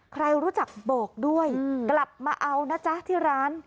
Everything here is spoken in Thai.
ใครรู้จักบอกด้วยกลับมาเอานะจ๊ะที่ร้าน